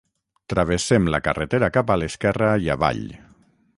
travessem la carretera cap a l'esquerra i avall